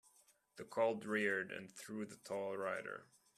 The colt reared and threw the tall rider.